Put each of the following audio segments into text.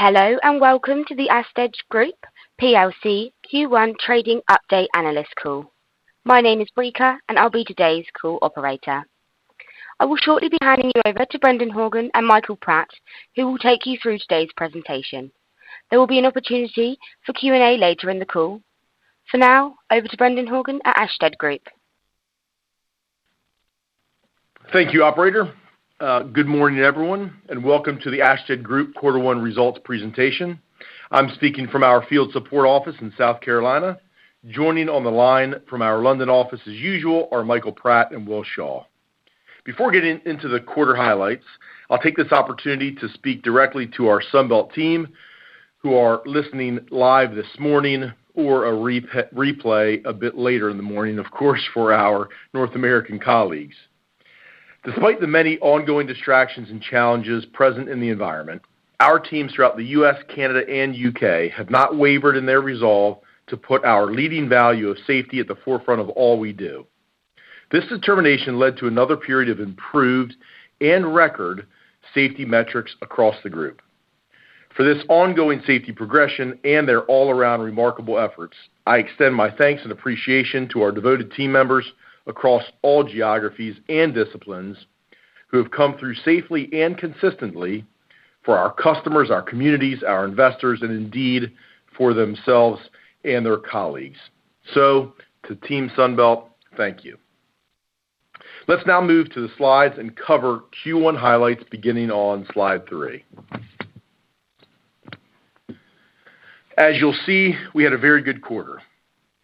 Hello, and Welcome to the Ashtead Group PLC Q1 Trading Update Analyst Call. My name is Rika, and I'll be today's call operator. I will shortly be handing you over to Brendan Horgan and Michael Pratt, who will take you through today's presentation. There will be an opportunity for Q&A later in the call. For now, over to Brendan Horgan at Ashtead Group. Thank you, operator. Good morning, everyone, and Welcome to the Ashtead Group Quarter One Results Presentation. I'm speaking from our field support office in South Carolina. Joining on the line from our London office as usual are Michael Pratt and Will Shaw. Before getting into the quarter highlights, I'll take this opportunity to speak directly to our Sunbelt team who are listening live this morning or a replay a bit later in the morning, of course, for our North American colleagues. Despite the many ongoing distractions and challenges present in the environment, our teams throughout the U.S., Canada, and U.K. have not wavered in their resolve to put our leading value of safety at the forefront of all we do. This determination led to another period of improved and record safety metrics across the group. For this ongoing safety progression and their all-around remarkable efforts, I extend my thanks and appreciation to our devoted team members across all geographies and disciplines who have come through safely and consistently for our customers, our communities, our investors, and indeed, for themselves and their colleagues. To Team Sunbelt, thank you. Let's now move to the slides and cover Q1 highlights beginning on slide three. As you'll see, we had a very good quarter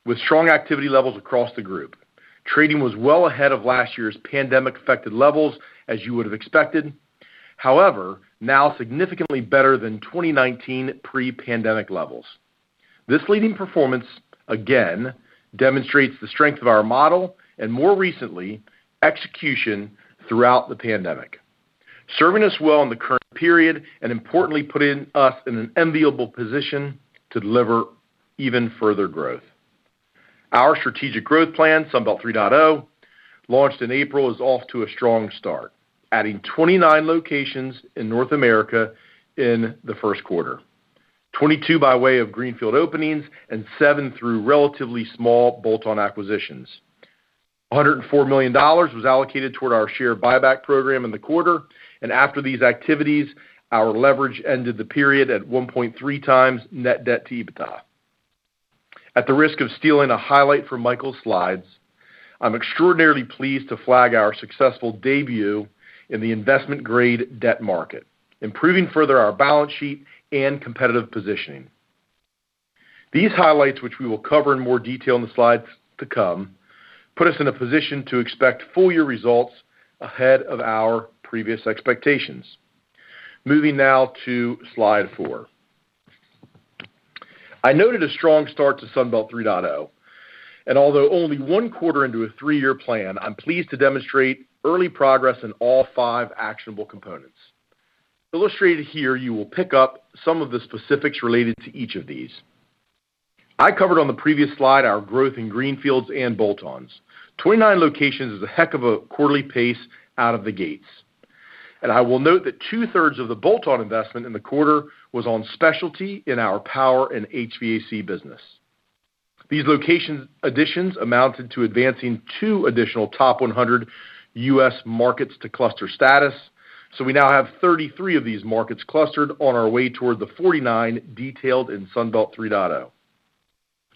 with strong activity levels across the group. Trading was well ahead of last year's pandemic affected levels, as you would have expected. Now significantly better than 2019 pre-pandemic levels. This leading performance again demonstrates the strength of our model and more recently, execution throughout the pandemic. Serving us well in the current period and importantly, putting us in an enviable position to deliver even further growth. Our strategic growth plan, Sunbelt 3.0, launched in April, is off to a strong start, adding 29 locations in North America in the first quarter. 22 by way of greenfield openings and seven through relatively small bolt-on acquisitions. $104 million was allocated toward our share buyback program in the quarter, and after these activities, our leverage ended the period at 1.3x net debt to EBITDA. At the risk of stealing a highlight from Michael's slides, I'm extraordinarily pleased to flag our successful debut in the investment-grade debt market, improving further our balance sheet and competitive positioning. These highlights, which we will cover in more detail in the slides to come, put us in a position to expect full year results ahead of our previous expectations. Moving now to slide four. I noted a strong start to Sunbelt 3.0, and although only one quarter into a three-year plan, I'm pleased to demonstrate early progress in all five actionable components. Illustrated here, you will pick up some of the specifics related to each of these. I covered on the previous slide our growth in Greenfields and Bolt-ons. 29 locations is a heck of a quarterly pace out of the gates. I will note that two-thirds of the bolt-on investment in the quarter was on specialty in our power and HVAC business. These location additions amounted to advancing two additional top 100 U.S. markets to cluster status, so we now have 33 of these markets clustered on our way toward the 49 detailed in Sunbelt 3.0.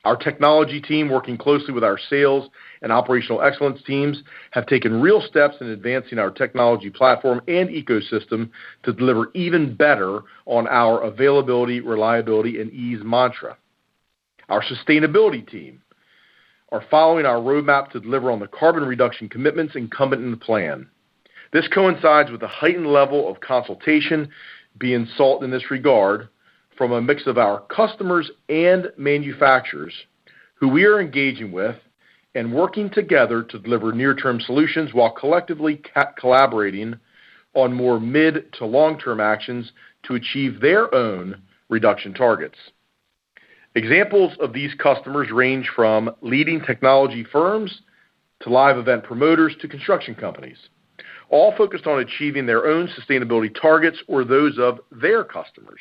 Our technology team, working closely with our sales and operational excellence teams, have taken real steps in advancing our technology platform and ecosystem to deliver even better on our availability, reliability, and ease mantra. Our sustainability team are following our roadmap to deliver on the carbon reduction commitments incumbent in the plan. This coincides with a heightened level of consultation being sought in this regard from a mix of our customers and manufacturers who we are engaging with and working together to deliver near-term solutions while collectively collaborating on more mid to long-term actions to achieve their own reduction targets. Examples of these customers range from leading technology firms to live event promoters to construction companies, all focused on achieving their own sustainability targets or those of their customers.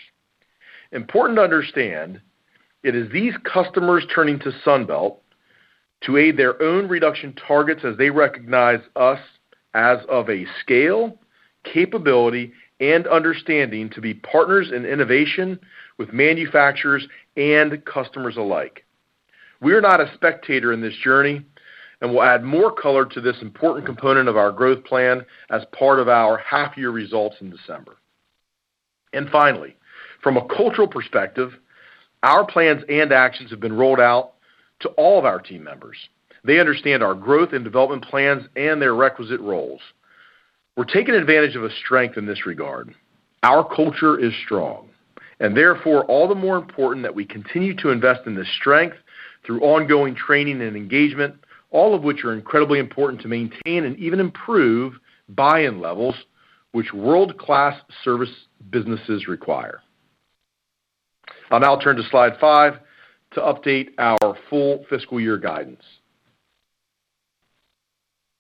Important to understand, it is these customers turning to Sunbelt to aid their own reduction targets as they recognize us as of a scale, capability, and understanding to be partners in innovation with manufacturers and customers alike. We are not a spectator in this journey and will add more color to this important component of our growth plan as part of our half year results in December. Finally, from a cultural perspective, our plans and actions have been rolled out to all of our team members. They understand our growth and development plans and their requisite roles. We're taking advantage of a strength in this regard. Our culture is strong, and therefore all the more important that we continue to invest in this strength through ongoing training and engagement, all of which are incredibly important to maintain and even improve buy-in levels which world-class service businesses require. I'll now turn to slide five to update our full fiscal year guidance.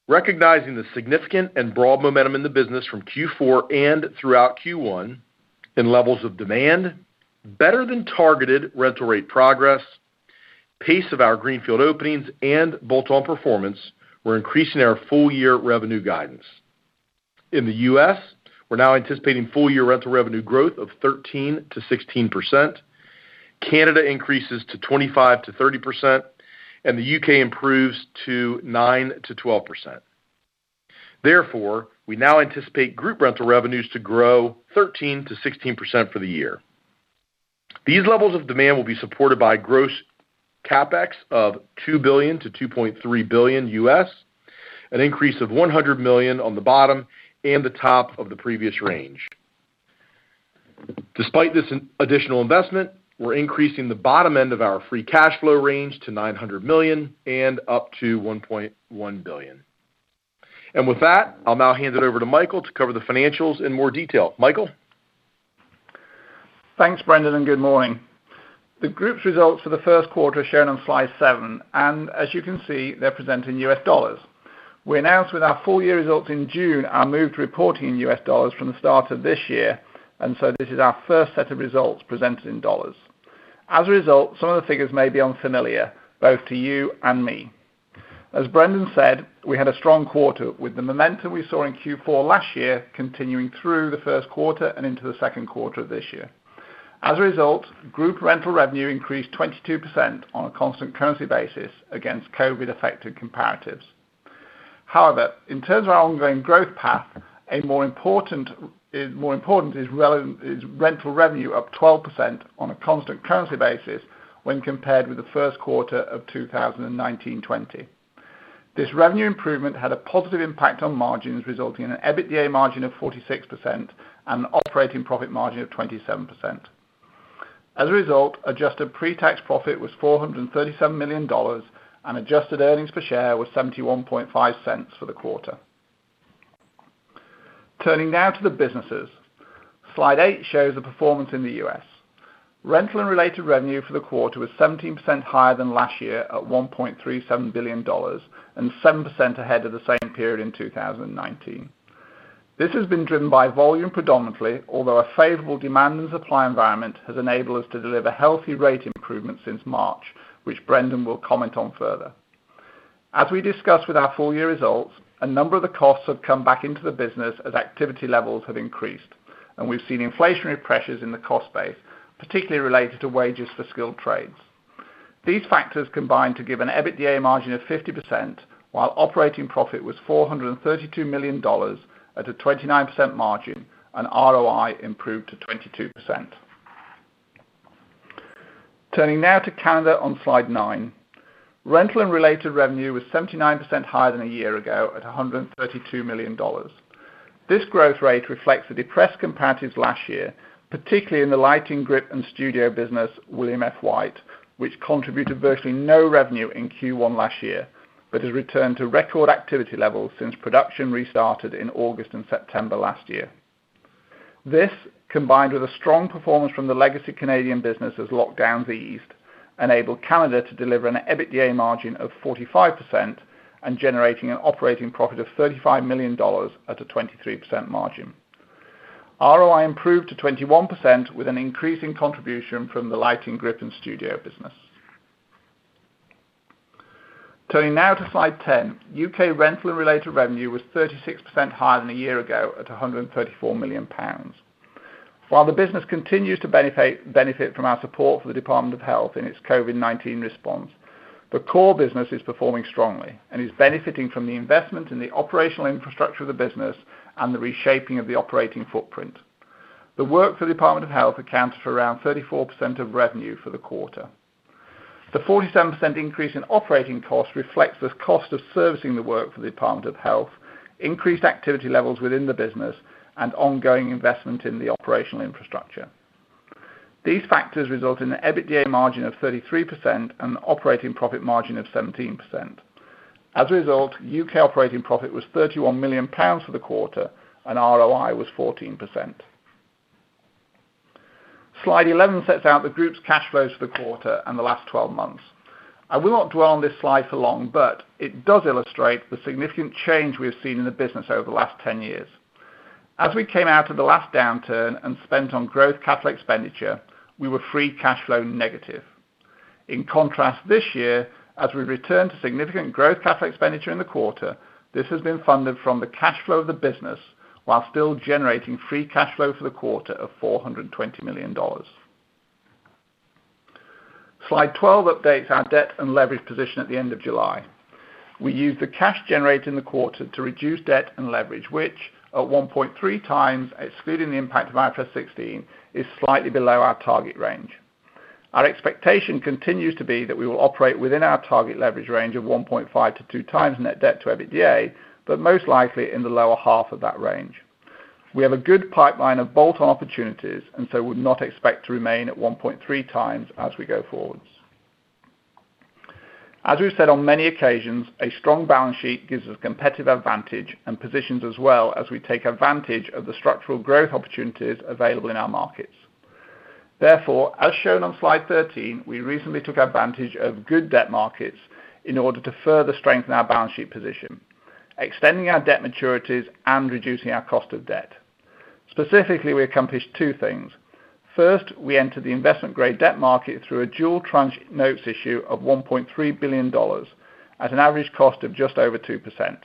Recognizing the significant and broad momentum in the business from Q4 and throughout Q1 in levels of demand, better than targeted rental rate progress, pace of our greenfield openings, and bolt-on performance, we're increasing our full-year revenue guidance. In the U.S., we're now anticipating full-year rental revenue growth of 13%-16%, Canada increases to 25%-30%, the U.K. improves to 9%-12%. We now anticipate group rental revenues to grow 13%-16% for the year. These levels of demand will be supported by gross CapEx of $2 billion-$2.3 billion U.S., an increase of $100 million on the bottom and the top of the previous range. Despite this additional investment, we're increasing the bottom end of our free cash flow range to $900 million-$1.1 billion. With that, I'll now hand it over to Michael to cover the financials in more detail. Michael? Thanks, Brendan, and good morning. The group's results for the first quarter are shown on slide seven, and as you can see, they're presented in US dollars. We announced with our full-year results in June our move to reporting in US dollars from the start of this year, and so this is our first set of results presented in dollars. As a result, some of the figures may be unfamiliar, both to you and me. As Brendan said, we had a strong quarter, with the momentum we saw in Q4 last year continuing through the first quarter and into the second quarter of this year. As a result, group rental revenue increased 22% on a constant currency basis against COVID-affected comparatives. However, in terms of our ongoing growth path, more important is rental revenue up 12% on a constant currency basis when compared with the first quarter of 2019-2020. This revenue improvement had a positive impact on margins, resulting in an EBITDA margin of 46% and an operating profit margin of 27%. As a result, adjusted pre-tax profit was $437 million and adjusted earnings per share was $0.715 for the quarter. Turning now to the businesses. Slide eight shows the performance in the U.S. Rental and related revenue for the quarter was 17% higher than last year at $1.37 billion, and 7% ahead of the same period in 2019. This has been driven by volume predominantly, although a favorable demand and supply environment has enabled us to deliver healthy rate improvements since March, which Brendan will comment on further. As we discussed with our full-year results, a number of the costs have come back into the business as activity levels have increased, and we've seen inflationary pressures in the cost base, particularly related to wages for skilled trades. These factors combined to give an EBITDA margin of 50%, while operating profit was $432 million at a 29% margin and ROI improved to 22%. Turning now to Canada on slide NINE. Rental and related revenue was 79% higher than a year ago at $132 million. This growth rate reflects the depressed comparatives last year, particularly in the lighting, grip and studio business, William F. White, which contributed virtually no revenue in Q1 last year, but has returned to record activity levels since production restarted in August and September last year. This, combined with a strong performance from the legacy Canadian business as lockdowns eased, enabled Canada to deliver an EBITDA margin of 45% and generating an operating profit of $35 million at a 23% margin. ROI improved to 21% with an increasing contribution from the lighting, grip and studio business. Turning now to slide 10. U.K. rental and related revenue was 36% higher than a year ago at £134 million. While the business continues to benefit from our support for the Department of Health in its COVID-19 response, the core business is performing strongly and is benefiting from the investment in the operational infrastructure of the business and the reshaping of the operating footprint. The work for the Department of Health accounts for around 34% of revenue for the quarter. The 47% increase in operating costs reflects the cost of servicing the work for the Department of Health, increased activity levels within the business, and ongoing investment in the operational infrastructure. These factors result in an EBITDA margin of 33% and an operating profit margin of 17%. As a result, U.K. operating profit was 31 million pounds for the quarter, and ROI was 14%. Slide 11 sets out the group's cash flows for the quarter and the last 12 months. I will not dwell on this slide for long, but it does illustrate the significant change we have seen in the business over the last 10 years. As we came out of the last downturn and spent on growth capital expenditure, we were free cash flow negative. In contrast, this year, as we return to significant growth capital expenditure in the quarter, this has been funded from the cash flow of the business while still generating free cash flow for the quarter of $420 million. Slide 12 updates our debt and leverage position at the end of July. We used the cash generated in the quarter to reduce debt and leverage, which at 1.3x, excluding the impact of IFRS 16, is slightly below our target range. Our expectation continues to be that we will operate within our target leverage range of 1.5x-2x net debt to EBITDA, but most likely in the lower half of that range. We have a good pipeline of bolt-on opportunities and so would not expect to remain at 1.3x as we go forwards. As we've said on many occasions, a strong balance sheet gives us competitive advantage and positions us well as we take advantage of the structural growth opportunities available in our markets. Therefore, as shown on slide 13, we recently took advantage of good debt markets in order to further strengthen our balance sheet position, extending our debt maturities and reducing our cost of debt. Specifically, we accomplished two things. First, we entered the investment-grade debt market through a dual tranche notes issue of $1.3 billion at an average cost of just over 2%,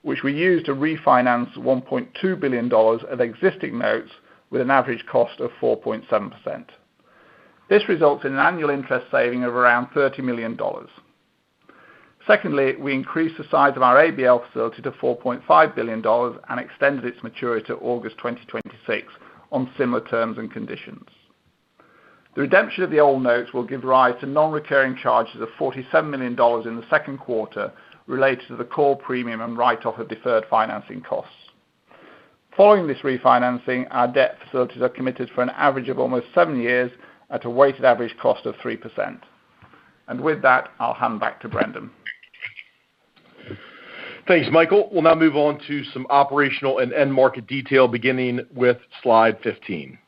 which we used to refinance $1.2 billion of existing notes with an average cost of 4.7%. This results in an annual interest saving of around $30 million. Secondly, we increased the size of our ABL facility to $4.5 billion and extended its maturity to August 2026 on similar terms and conditions. The redemption of the old notes will give rise to non-recurring charges of $47 million in the second quarter related to the call premium and write-off of deferred financing costs. Following this refinancing, our debt facilities are committed for an average of almost seven years at a weighted average cost of 3%. With that, I'll hand back to Brendan. Thanks, Michael. We'll now move on to some operational and end market detail, beginning with slide 15.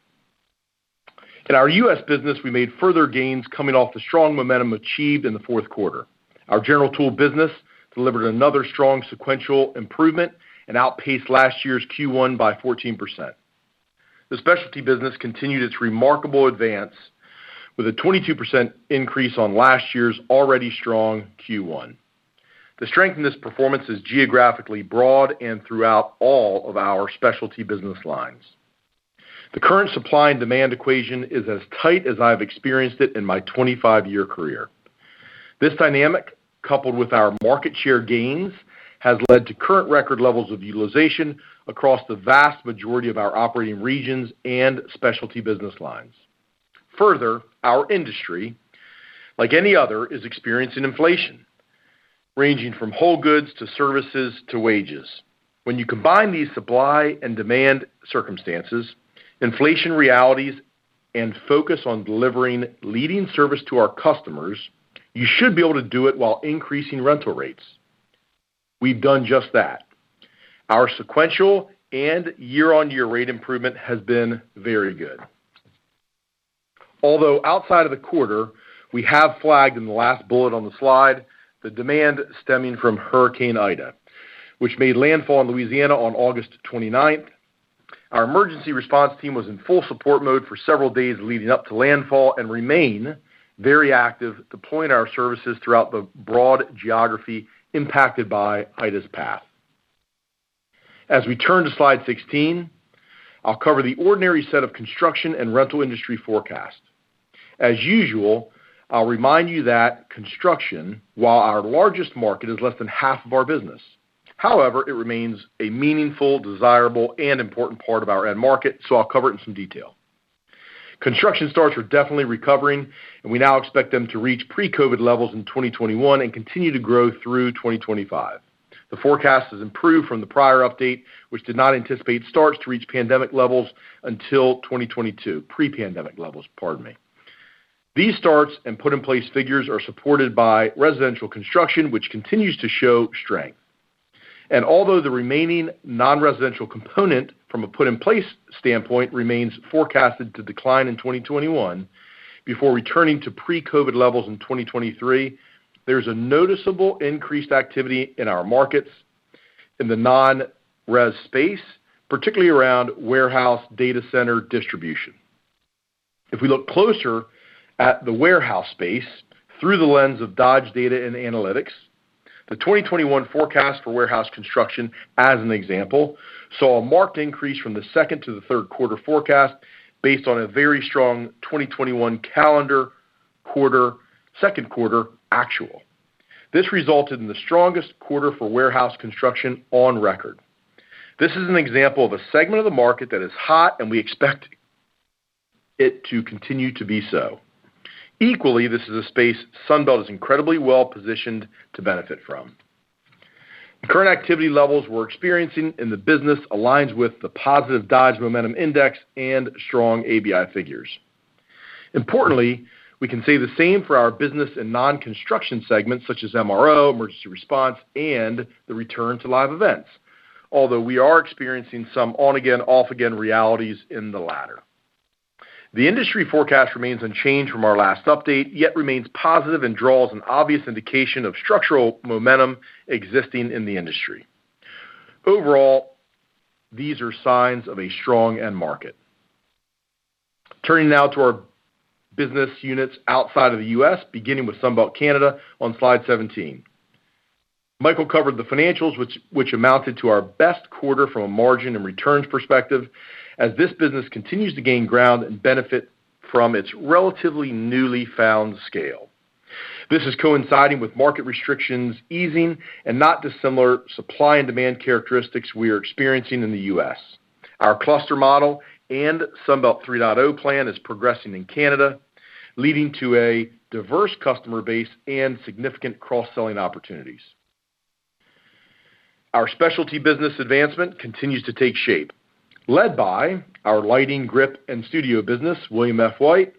In our U.S. business, we made further gains coming off the strong momentum achieved in the fourth quarter. Our general tool business delivered another strong sequential improvement and outpaced last year's Q1 by 14%. The specialty business continued its remarkable advance with a 22% increase on last year's already strong Q1. The strength in this performance is geographically broad and throughout all of our specialty business lines. The current supply and demand equation is as tight as I've experienced it in my 25-year career. This dynamic, coupled with our market share gains, has led to current record levels of utilization across the vast majority of our operating regions and specialty business lines. Further, our industry, like any other, is experiencing inflation, ranging from whole goods to services to wages. When you combine these supply and demand circumstances, inflation realities, and focus on delivering leading service to our customers, you should be able to do it while increasing rental rates. We've done just that. Our sequential and year-on-year rate improvement has been very good. Although outside of the quarter, we have flagged in the last bullet on the slide the demand stemming from Hurricane Ida, which made landfall in Louisiana on August 29th. Our emergency response team was in full support mode for several days leading up to landfall and remain very active deploying our services throughout the broad geography impacted by Ida's path. As we turn to slide 16, I'll cover the ordinary set of construction and rental industry forecasts. As usual, I'll remind you that construction, while our largest market, is less than half of our business. However, it remains a meaningful, desirable, and important part of our end market, so I'll cover it in some detail. Construction starts are definitely recovering, and we now expect them to reach pre-COVID levels in 2021 and continue to grow through 2025. The forecast has improved from the prior update, which did not anticipate starts to reach pandemic levels until 2022. Pre-pandemic levels, pardon me. These starts and put in place figures are supported by residential construction, which continues to show strength. Although the remaining non-residential component from a put in place standpoint remains forecasted to decline in 2021 before returning to pre-COVID levels in 2023, there's a noticeable increased activity in our markets in the non-res space, particularly around warehouse data center distribution. If we look closer at the warehouse space through the lens of Dodge Data & Analytics, the 2021 forecast for warehouse construction, as an example, saw a marked increase from the second to the third quarter forecast based on a very strong 2021 calendar quarter, second quarter actual. This resulted in the strongest quarter for warehouse construction on record. This is an example of a segment of the market that is hot, and we expect it to continue to be so. Equally, this is a space Sunbelt is incredibly well-positioned to benefit from. The current activity levels we're experiencing in the business aligns with the positive Dodge Momentum Index and strong ABI figures. Importantly, we can say the same for our business and non-construction segments such as MRO, emergency response, and the return to live events. Although we are experiencing some on-again, off-again realities in the latter. The industry forecast remains unchanged from our last update, yet remains positive and draws an obvious indication of structural momentum existing in the industry. Overall, these are signs of a strong end market. Turning now to our business units outside of the U.S., beginning with Sunbelt Canada on slide 17. Michael covered the financials, which amounted to our best quarter from a margin and returns perspective as this business continues to gain ground and benefit from its relatively newly found scale. This is coinciding with market restrictions easing and not dissimilar supply and demand characteristics we are experiencing in the U.S. Our cluster model and Sunbelt 3.0 plan is progressing in Canada, leading to a diverse customer base and significant cross-selling opportunities. Our specialty business advancement continues to take shape, led by our lighting, grip, and studio business, William F. White.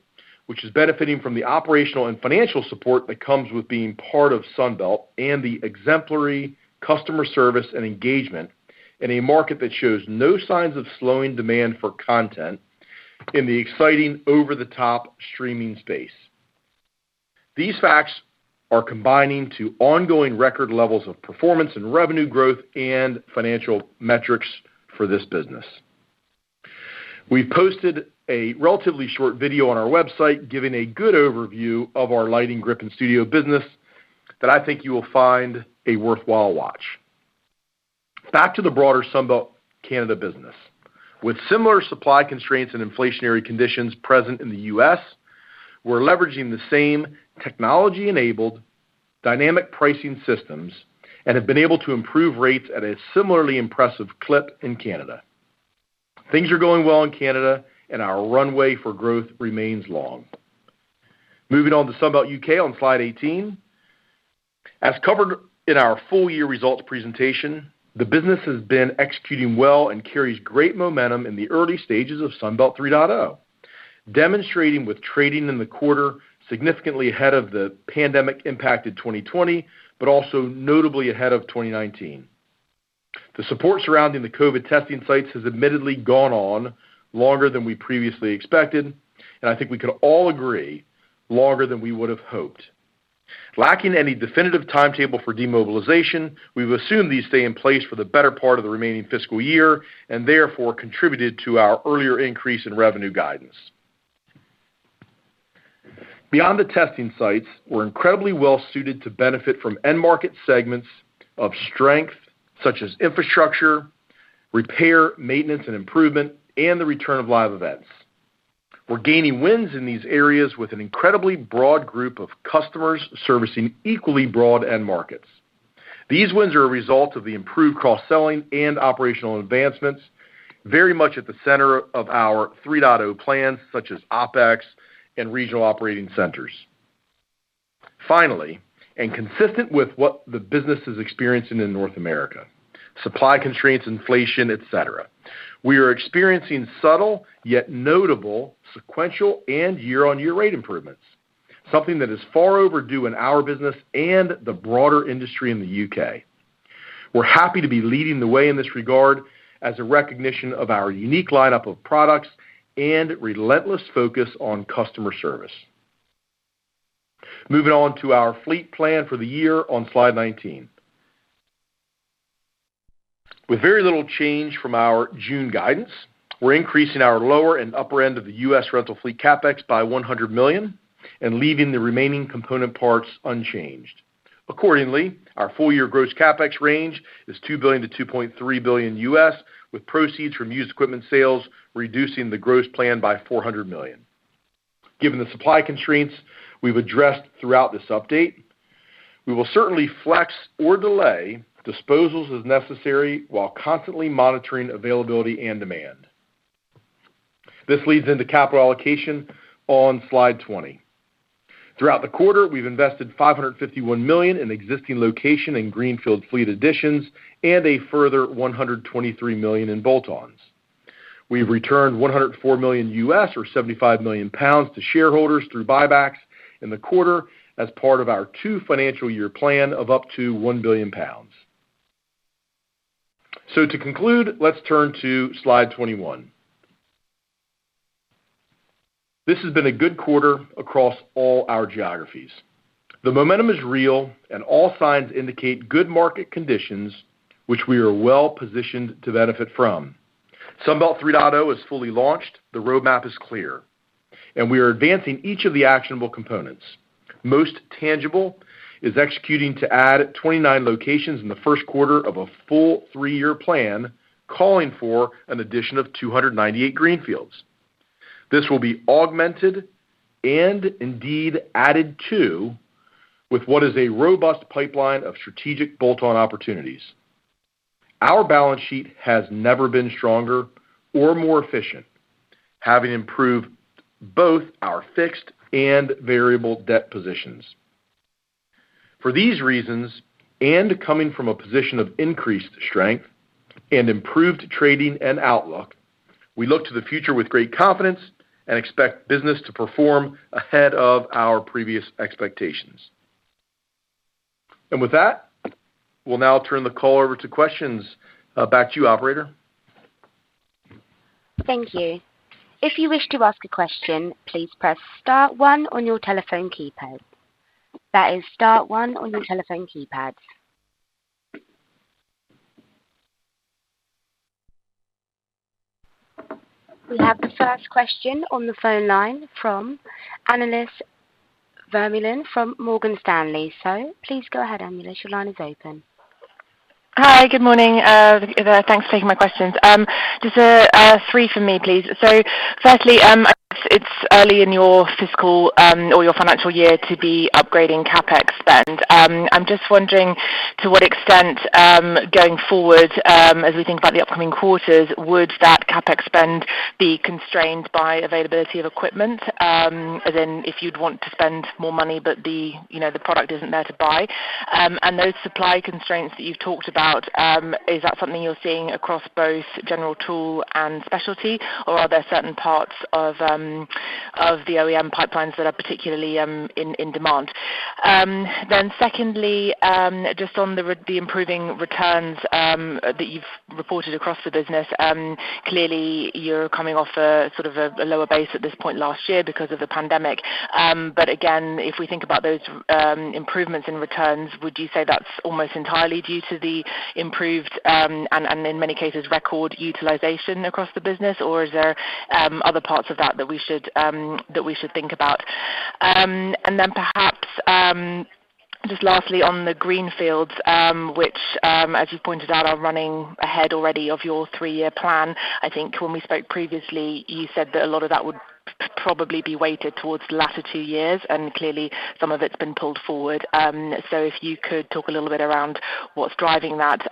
Which is benefiting from the operational and financial support that comes with being part of Sunbelt and the exemplary customer service and engagement in a market that shows no signs of slowing demand for content in the exciting over-the-top streaming space. These facts are combining to ongoing record levels of performance and revenue growth and financial metrics for this business. We've posted a relatively short video on our website giving a good overview of our lighting, grip, and studio business that I think you will find a worthwhile watch. Back to the broader Sunbelt Canada business. With similar supply constraints and inflationary conditions present in the U.S., we're leveraging the same technology-enabled dynamic pricing systems and have been able to improve rates at a similarly impressive clip in Canada. Things are going well in Canada, and our runway for growth remains long. Moving on to Sunbelt UK on slide 18. As covered in our full-year results presentation, the business has been executing well and carries great momentum in the early stages of Sunbelt 3.0, demonstrating with trading in the quarter significantly ahead of the pandemic-impacted 2020, but also notably ahead of 2019. The support surrounding the COVID testing sites has admittedly gone on longer than we previously expected, and I think we could all agree longer than we would have hoped. Lacking any definitive timetable for demobilization, we've assumed these stay in place for the better part of the remaining fiscal year, and therefore contributed to our earlier increase in revenue guidance. Beyond the testing sites, we're incredibly well-suited to benefit from end market segments of strength such as infrastructure, repair, maintenance, and improvement, and the return of live events. We're gaining wins in these areas with an incredibly broad group of customers servicing equally broad end markets. These wins are a result of the improved cross-selling and operational advancements, very much at the center of our Sunbelt 3.0 plans, such as OpEx and regional operating centers. Finally, consistent with what the business is experiencing in North America, supply constraints, inflation, et cetera, we are experiencing subtle yet notable sequential and year-on-year rate improvements, something that is far overdue in our business and the broader industry in the U.K. We're happy to be leading the way in this regard as a recognition of our unique lineup of products and relentless focus on customer service. Moving on to our fleet plan for the year on slide 19. With very little change from our June guidance, we're increasing our lower and upper end of the U.S. rental fleet CapEx by $100 million and leaving the remaining component parts unchanged. Accordingly, our full-year gross CapEx range is $2 billion-$2.3 billion, with proceeds from used equipment sales reducing the gross plan by $400 million. Given the supply constraints we've addressed throughout this update, we will certainly flex or delay disposals as necessary while constantly monitoring availability and demand. This leads into capital allocation on slide 20. Throughout the quarter, we've invested $551 million in existing location and greenfield fleet additions and a further $123 million in bolt-ons. We've returned $104 million, or 75 million pounds, to shareholders through buybacks in the quarter as part of our two financial year plan of up to 1 billion pounds. To conclude, let's turn to slide 21. This has been a good quarter across all our geographies. The momentum is real, and all signs indicate good market conditions, which we are well-positioned to benefit from. Sunbelt 3.0 is fully launched, the roadmap is clear, and we are advancing each of the actionable components. Most tangible is executing to add 29 locations in the first quarter of a full three-year plan calling for an addition of 298 greenfields. This will be augmented and indeed added to with what is a robust pipeline of strategic bolt-on opportunities. Our balance sheet has never been stronger or more efficient, having improved both our fixed and variable debt positions. For these reasons, and coming from a position of increased strength and improved trading and outlook, we look to the future with great confidence and expect business to perform ahead of our previous expectations. With that, we'll now turn the call over to questions. Back to you, operator. Thank you. If you wish to ask a question, please press star one on your telephone keypad. That is star one on your telephone keypad. We have the first question on the phone line from Annelies Vermeulen from Morgan Stanley. Please go ahead, analyst. Your line is open. Hi. Good morning. Thanks for taking my questions. Just three from me, please. Firstly, it's early in your fiscal or your financial year to be upgrading CapEx spend. I'm just wondering, to what extent, going forward, as we think about the upcoming quarters, would that CapEx spend be constrained by availability of equipment? As in, if you'd want to spend more money, but the product isn't there to buy. Those supply constraints that you've talked about, is that something you're seeing across both general tool and specialty, or are there certain parts of the OEM pipelines that are particularly in demand? Secondly, just on the improving returns that you've reported across the business. Clearly, you're coming off a sort of a lower base at this point last year because of the pandemic. Again, if we think about those improvements in returns, would you say that's almost entirely due to the improved, and in many cases, record utilization across the business, or is there other parts of that we should think about? Then perhaps, just lastly, on the greenfields, which, as you pointed out, are running ahead already of your three-year plan. I think when we spoke previously, you said that a lot of that would probably be weighted towards the latter two years, and clearly some of it's been pulled forward. If you could talk a little bit around what's driving that,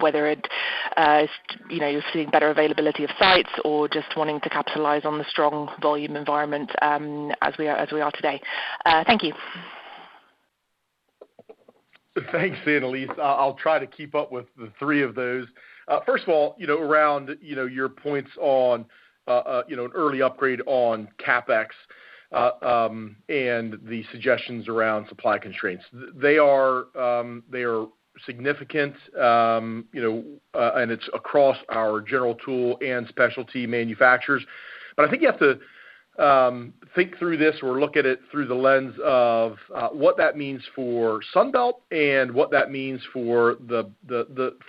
whether you're seeing better availability of sites or just wanting to capitalize on the strong volume environment as we are today. Thank you. Thanks, Annelies. I'll try to keep up with the three of those. First of all, around your points on an early upgrade on CapEx, and the suggestions around supply constraints. They are significant, and it's across our general tool and specialty manufacturers. I think you have to think through this or look at it through the lens of what that means for Sunbelt and what that means for the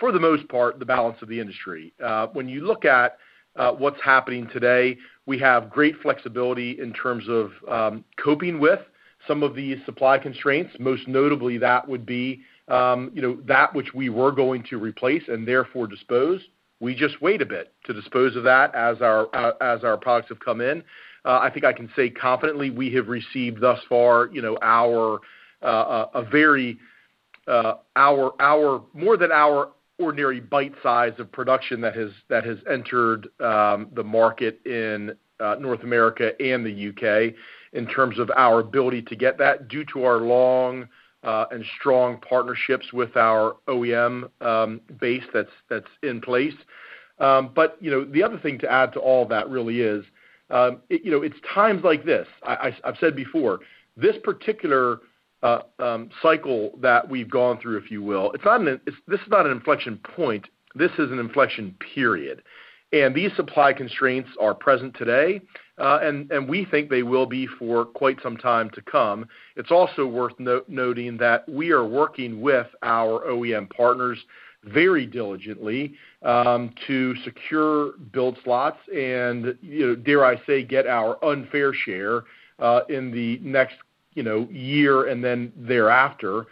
most part, the balance of the industry. When you look at what's happening today, we have great flexibility in terms of coping with some of these supply constraints. Most notably, that would be that which we were going to replace and therefore dispose. We just wait a bit to dispose of that as our products have come in. I think I can say confidently, we have received thus far more than our ordinary bite size of production that has entered the market in North America and the U.K. in terms of our ability to get that, due to our long and strong partnerships with our OEM base that's in place. The other thing to add to all that really is, it's times like this, I've said before, this particular cycle that we've gone through, if you will, this is not an inflection point, this is an inflection period. These supply constraints are present today, and we think they will be for quite some time to come. It's also worth noting that we are working with our OEM partners very diligently to secure build slots and, dare I say, get our unfair share in the next year and then thereafter,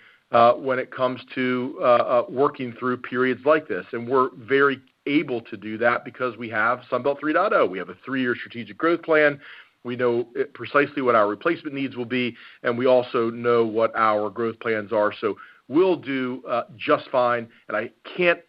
when it comes to working through periods like this. We're very able to do that because we have Sunbelt 3.0. We have a three-year strategic growth plan. We know precisely what our replacement needs will be, and we also know what our growth plans are. We'll do just fine. I can't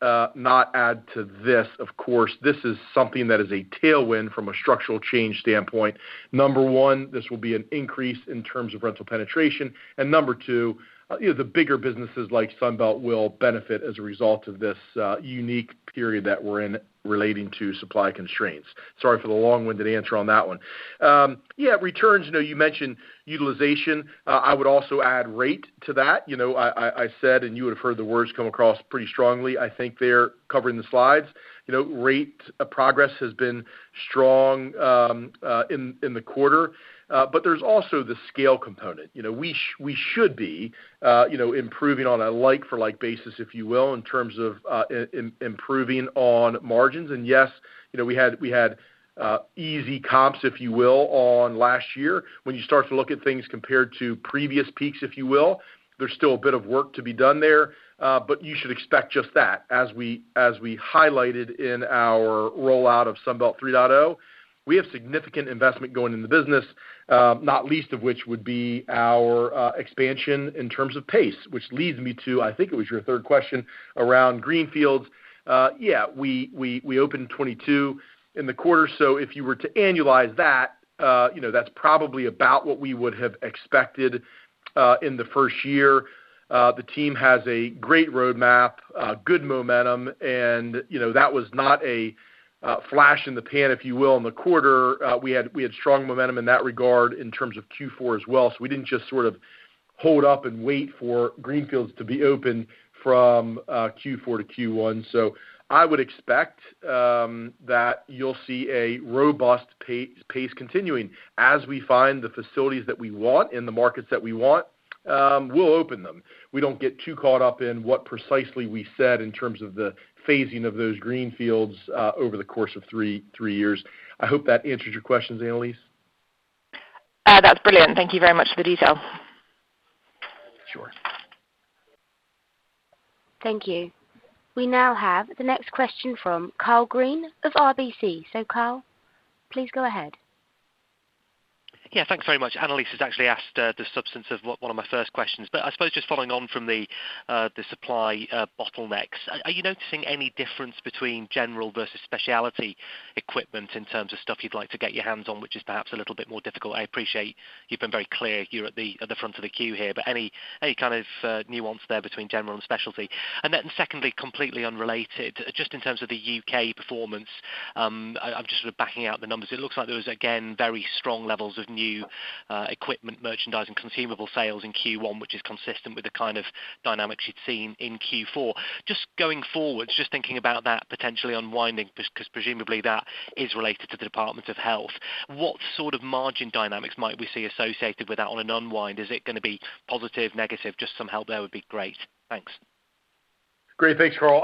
not add to this, of course, this is something that is a tailwind from a structural change standpoint. Number one, this will be an increase in terms of rental penetration. Number two, the bigger businesses like Sunbelt will benefit as a result of this unique period that we're in relating to supply constraints. Sorry for the long-winded answer on that one. Yeah, returns, you mentioned utilization. I would also add rate to that. I said, you would've heard the words come across pretty strongly, I think they're covering the slides. Rate of progress has been strong in the quarter, but there's also the scale component. We should be improving on a like-for-like basis, if you will, in terms of improving on margins. Yes, we had easy comps, if you will on last year. When you start to look at things compared to previous peaks, if you will, there's still a bit of work to be done there. You should expect just that. As we highlighted in our rollout of Sunbelt 3.0, we have significant investment going in the business, not least of which would be our expansion in terms of pace. Which leads me to, I think it was your third question, around greenfields. Yeah, we opened 22 in the quarter. If you were to annualize that's probably about what we would have expected in the first year. The team has a great roadmap, good momentum, and that was not a flash in the pan, if you will, in the quarter. We had strong momentum in that regard in terms of Q4 as well. We didn't just sort of hold up and wait for greenfields to be open from Q4-Q1. I would expect that you'll see a robust pace continuing. As we find the facilities that we want and the markets that we want, we'll open them. We don't get too caught up in what precisely we said in terms of the phasing of those greenfields over the course of three years. I hope that answers your questions, Annelise. That's brilliant. Thank you very much for the detail. Sure. Thank you. We now have the next question from Karl Green of RBC. Karl, please go ahead. Yeah. Thanks very much. Annelise has actually asked the substance of one of my first questions, I suppose just following on from the supply bottlenecks, are you noticing any difference between general versus specialty equipment in terms of stuff you'd like to get your hands on, which is perhaps a little bit more difficult? I appreciate you've been very clear, you're at the front of the queue here, any kind of nuance there between general and specialty? Secondly, completely unrelated, just in terms of the U.K. performance, I'm just sort of backing out the numbers. It looks like there was, again, very strong levels of new equipment, merchandise, and consumable sales in Q1, which is consistent with the kind of dynamics you'd seen in Q4. Just going forward, just thinking about that potentially unwinding, because presumably that is related to the Department of Health, what sort of margin dynamics might we see associated with that on an unwind? Is it going to be positive, negative? Just some help there would be great. Thanks. Great. Thanks, Karl.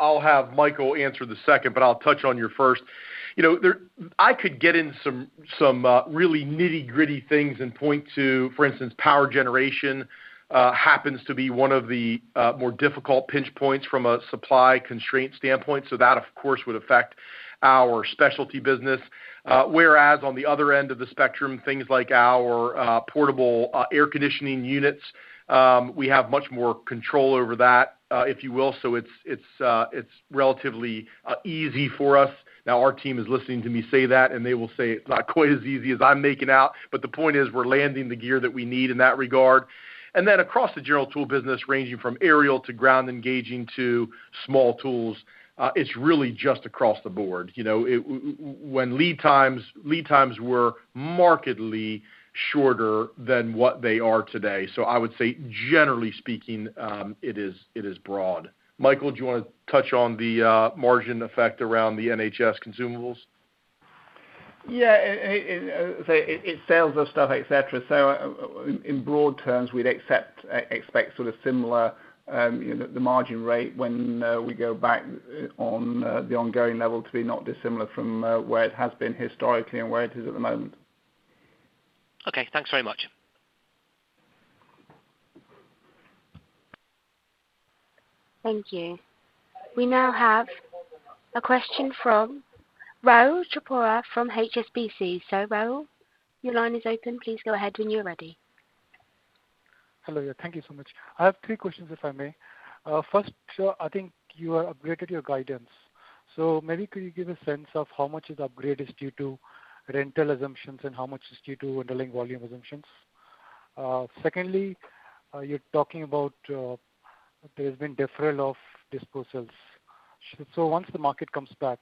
I'll have Michael answer the second, but I'll touch on your first. I could get into some really nitty-gritty things and point to, for instance, power generation happens to be one of the more difficult pinch points from a supply constraint standpoint. That of course would affect our specialty business. Whereas on the other end of the spectrum, things like our portable air conditioning units, we have much more control over that, if you will. It's relatively easy for us. Now our team is listening to me say that, and they will say it's not quite as easy as I'm making out. The point is, we're landing the gear that we need in that regard. Across the general tool business, ranging from aerial to ground engaging to small tools, it's really just across the board. When lead times were markedly shorter than what they are today. I would say, generally speaking, it is broad. Michael, do you want to touch on the margin effect around the NHS consumables? Yeah. It's sales of stuff, et cetera. In broad terms, we'd expect sort of similar the margin rate when we go back on the ongoing level to be not dissimilar from where it has been historically and where it is at the moment. Okay. Thanks very much. Thank you. We now have a question from Rahul Chopra from HSBC. Rahul, your line is open. Please go ahead when you're ready. Hello. Thank you so much. I have three questions, if I may. First, I think you upgraded your guidance. Maybe could you give a sense of how much this upgrade is due to rental assumptions and how much is due to underlying volume assumptions? Secondly, you're talking about there's been deferral of disposals. Once the market comes back,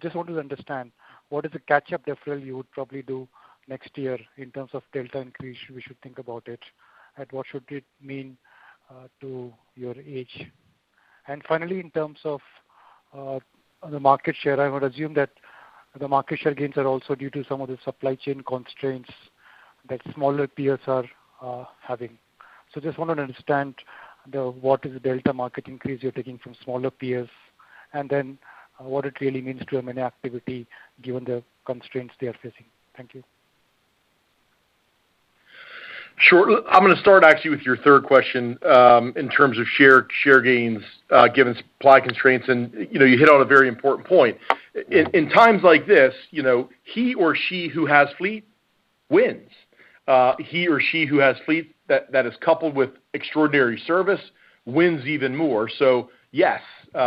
just want to understand, what is the catch-up deferral you would probably do next year in terms of delta increase we should think about it, and what should it mean to your age? Finally, in terms of the market share, I would assume that the market share gains are also due to some of the supply chain constraints that smaller peers are having. I just want to understand what is the delta market increase you're taking from smaller peers, and then what it really means to M&A activity given the constraints they are facing. Thank you. Sure. I'm going to start actually with your third question in terms of share gains given supply constraints, and you hit on a very important point. In times like this, he or she who has fleet wins. He or she who has fleet that is coupled with extraordinary service wins even more. Yes.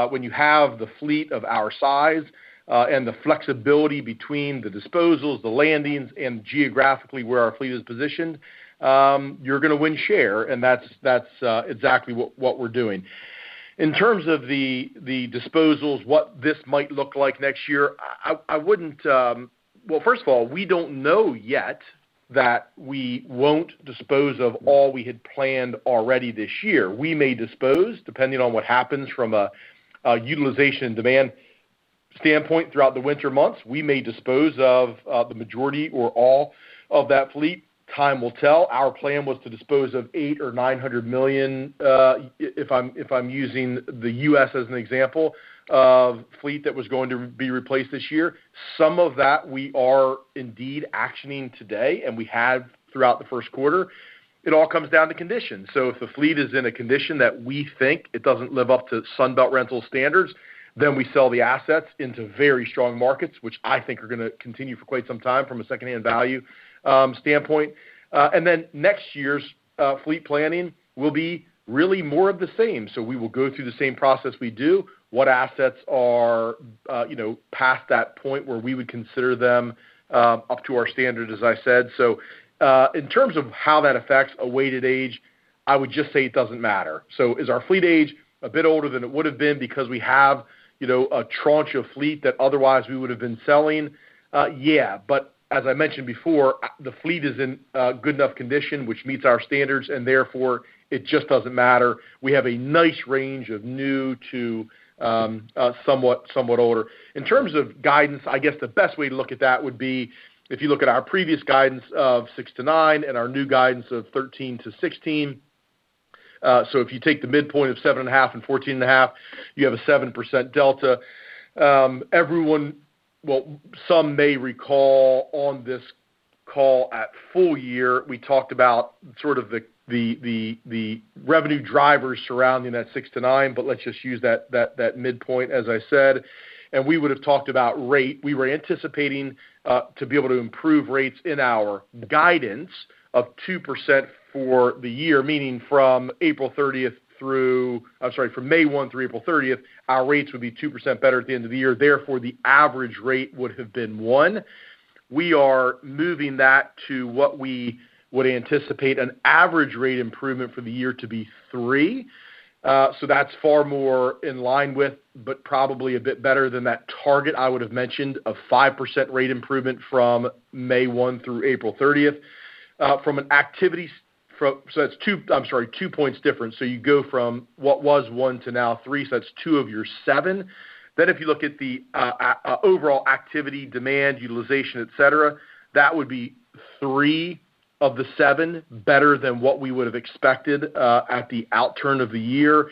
When you have the fleet of our size and the flexibility between the disposals, the landings, and geographically where our fleet is positioned, you're going to win share and that's exactly what we're doing. In terms of the disposals, what this might look like next year, well, first of all, we don't know yet that we won't dispose of all we had planned already this year. We may dispose, depending on what happens from a utilization demand standpoint throughout the winter months. We may dispose of the majority or all of that fleet. Time will tell. Our plan was to dispose of $800 million or $900 million, if I'm using the U.S. as an example, of fleet that was going to be replaced this year. Some of that we are indeed actioning today, and we have throughout the first quarter. It all comes down to condition. If the fleet is in a condition that we think it doesn't live up to Sunbelt Rentals standards, then we sell the assets into very strong markets, which I think are going to continue for quite some time from a secondhand value standpoint. Next year's fleet planning will be really more of the same. We will go through the same process we do. What assets are past that point where we would consider them up to our standard, as I said. In terms of how that affects a weighted age, I would just say it doesn't matter. Is our fleet age a bit older than it would have been because we have a tranche of fleet that otherwise we would have been selling? Yeah. As I mentioned before, the fleet is in good enough condition, which meets our standards, and therefore, it just doesn't matter. We have a nice range of new to somewhat older. In terms of guidance, I guess the best way to look at that would be if you look at our previous guidance of 6%-9% and our new guidance of 13%-16%. If you take the midpoint of 7.5% and 14.5%, you have a 7% delta. Well, some may recall on this call at full year, we talked about the revenue drivers surrounding that six to nine, let's just use that midpoint, as I said. We would've talked about rate. We were anticipating to be able to improve rates in our guidance of 2% for the year, meaning from May 1 through April 30th, our rates would be 2% better at the end of the year, therefore, the average rate would have been 1. We are moving that to what we would anticipate an average rate improvement for the year to be three. That's far more in line with, but probably a bit better than that target I would've mentioned of 5% rate improvement from May 1 through April 30th. That's two points difference. You go from what was one to now 3%, that's 2% of your 7%. If you look at the overall activity, demand, utilization, et cetera, that would be 3% of the 7% better than what we would've expected at the out turn of the year.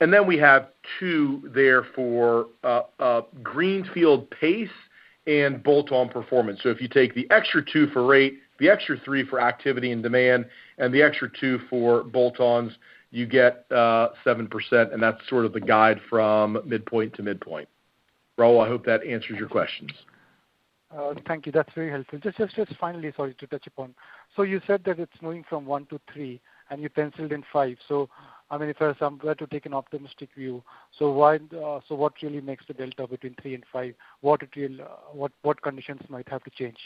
We have 2% there for greenfield pace and bolt-on performance. If you take the extra 2% for rate, the extra 3% for activity and demand, and the extra 2% for bolt-ons, you get 7%, and that's sort of the guide from midpoint to midpoint. Rahul, I hope that answers your questions. Thank you. That's very helpful. Just finally, sorry to touch upon. You said that it's moving from 1%-3%, and you penciled in 5%. If I were somewhere to take an optimistic view, what really makes the delta between 3% and 5%? What conditions might have to change?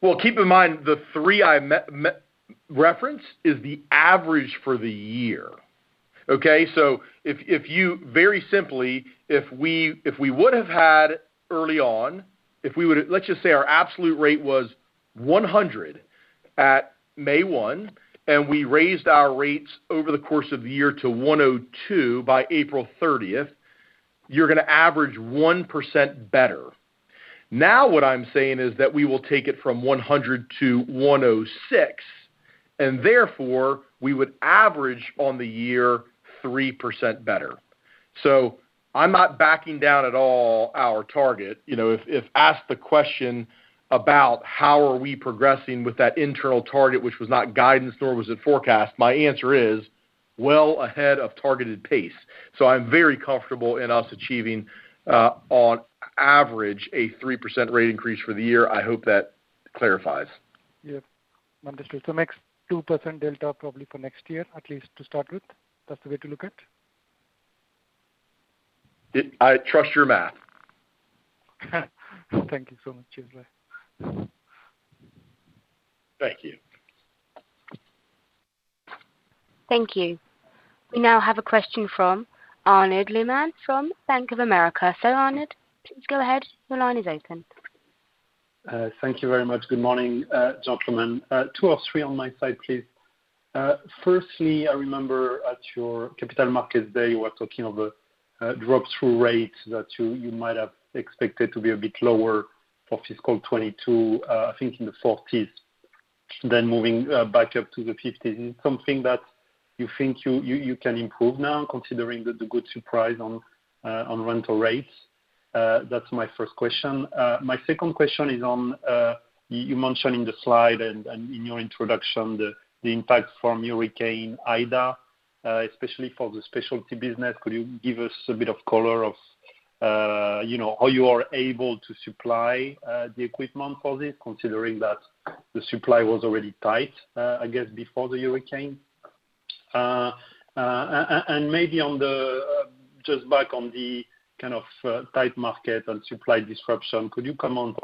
Well, keep in mind, the 3% I referenced is the average for the year. Okay? Very simply, let's just say our absolute rate was 100% at May 1, and we raised our rates over the course of the year to 102% by April 30th, you're going to average 1% better. Now what I'm saying is that we will take it from 100%-106%, and therefore, we would average on the year 3% better. I'm not backing down at all our target. If asked the question about how are we progressing with that internal target, which was not guidance, nor was it forecast, my answer is, well ahead of targeted pace. I'm very comfortable in us achieving, on average, a 3% rate increase for the year. I hope that clarifies. Yep. Understood. Next, 2% delta probably for next year, at least to start with. That's the way to look at it? I trust your math. Thank you so much. Cheers, bye. Thank you. Thank you. We now have a question from Arnaud Lehmann from Bank of America. Arnaud, please go ahead. Your line is open. Thank you very much. Good morning, gentlemen. Two or three on my side, please. Firstly, I remember at your capital markets there, you were talking of a drop-through rate that you might have expected to be a bit lower for fiscal 2022, I think in the 40s, then moving back up to the 50s. Is it something that you think you can improve now, considering the good surprise on rental rates? That's my first question. My second question is on, you mentioned in the slide and in your introduction the impact from Hurricane Ida, especially for the specialty business. Could you give us a bit of color of how you are able to supply the equipment for this, considering that the supply was already tight, I guess, before the hurricane? Maybe just back on the kind of tight market and supply disruption, could you comment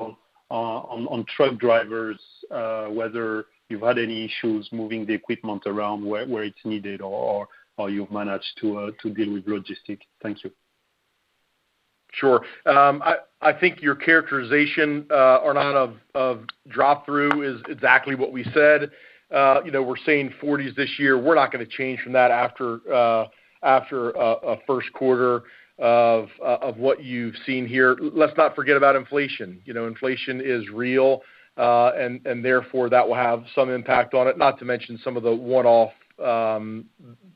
on truck drivers, whether you've had any issues moving the equipment around where it's needed or you've managed to deal with logistics? Thank you. Sure. I think your characterization, Arnaud, of drop-through is exactly what we said. We're saying 40s this year. We're not going to change from that after a first quarter of what you've seen here. Let's not forget about inflation. Inflation is real. Therefore, that will have some impact on it, not to mention some of the one-off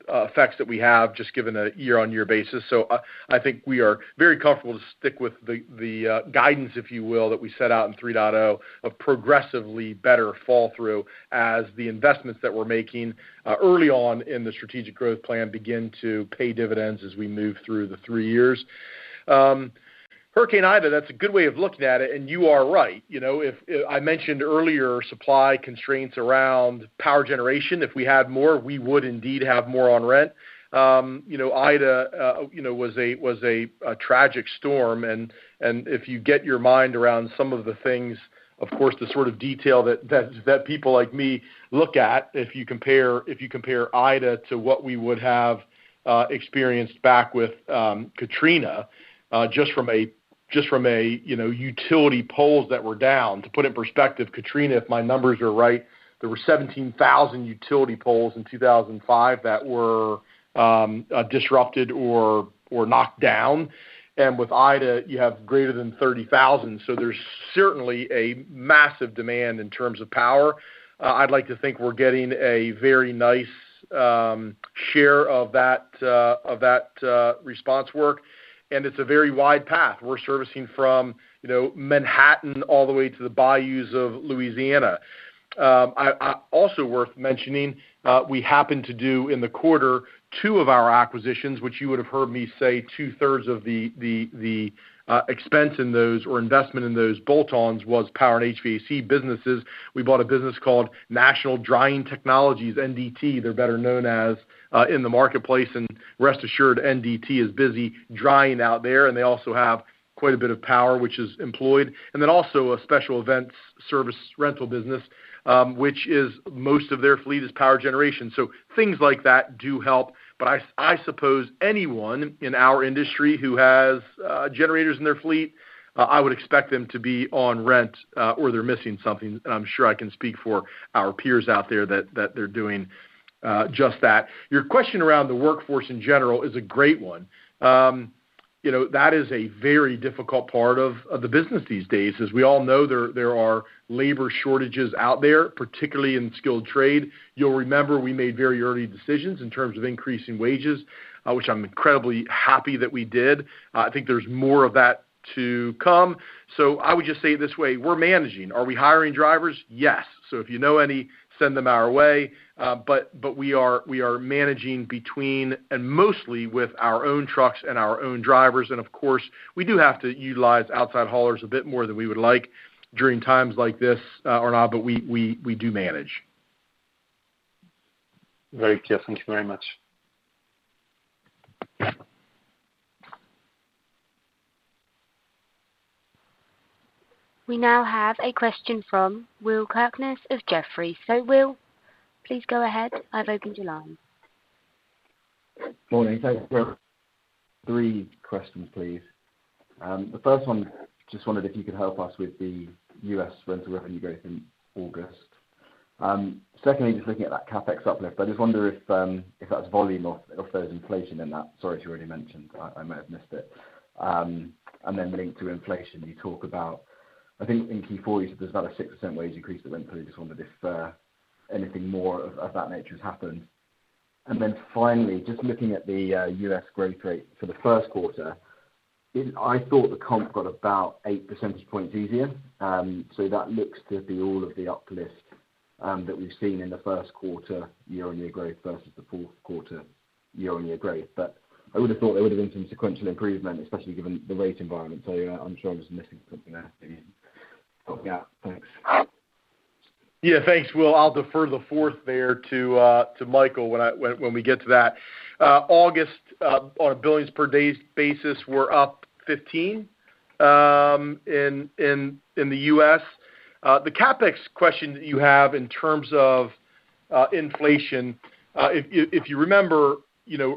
effects that we have, just given a year-on-year basis. I think we are very comfortable to stick with the guidance, if you will, that we set out in Sunbelt 3.0 of progressively better fall-through as the investments that we're making early on in the strategic growth plan begin to pay dividends as we move through the three years. Hurricane Ida, that's a good way of looking at it, and you are right. I mentioned earlier supply constraints around power generation. If we had more, we would indeed have more on rent. Ida was a tragic storm, and if you get your mind around some of the things, of course, the sort of detail that people like me look at, if you compare Ida to what we would have experienced back with Katrina, just from a utility poles that were down. To put in perspective, Katrina, if my numbers are right, there were 17,000 utility poles in 2005 that were disrupted or knocked down. With Ida, you have greater than 30,000. There's certainly a massive demand in terms of power. I'd like to think we're getting a very nice share of that response work. It's a very wide path. We're servicing from Manhattan all the way to the bayous of Louisiana. Also worth mentioning, we happened to do in the quarter, two of our acquisitions, which you would have heard me say two-thirds of the expense in those, or investment in those bolt-ons was power and HVAC businesses. We bought a business called National Drying Technologies, NDT, they're better known as in the marketplace. Rest assured, NDT is busy drying out there, and they also have quite a bit of power, which is employed. Then also a special events service rental business, which most of their fleet is power generation. Things like that do help. I suppose anyone in our industry who has generators in their fleet, I would expect them to be on rent or they're missing something, and I'm sure I can speak for our peers out there that they're doing just that. Your question around the workforce in general is a great one. That is a very difficult part of the business these days. As we all know, there are labor shortages out there, particularly in skilled trade. You'll remember we made very early decisions in terms of increasing wages, which I'm incredibly happy that we did. I think there's more of that to come. I would just say it this way: we're managing. Are we hiring drivers? Yes. If you know any, send them our way. We are managing between, and mostly with our own trucks and our own drivers. Of course, we do have to utilize outside haulers a bit more than we would like during times like this, or not, but we do manage. Very clear. Thank you very much. We now have a question from Will Kirkness of Jefferies. Will, please go ahead. I've opened your line. Morning. Thanks, Jill. Three questions, please. The first one, just wondered if you could help us with the U.S. rental revenue growth in August. Secondly, just looking at that CapEx uplift, I just wonder if that's volume or if there's inflation in that. Sorry if you already mentioned, I might have missed it. Linked to inflation, you talk about, I think in Q4 you said there's another 6% wage increase that went through. Just wondered if anything more of that nature has happened. Finally, just looking at the U.S. growth rate for the first quarter, I thought the comp got about eight percentage points easier. That looks to be all of the uplift that we've seen in the first quarter year-on-year growth versus the fourth quarter year-on-year growth. I would have thought there would've been some sequential improvement, especially given the rate environment. Yesh, I'm sure I'm just missing something there. Yeah. Thanks. Yeah. Thanks, Will. I'll defer the fourth there to Michael when we get to that. August, on a billings per days basis, we're up 15% in the U.S. The CapEx question that you have in terms of inflation, if you remember